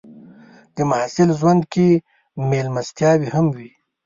د محصل ژوند کې مېلمستیاوې هم وي.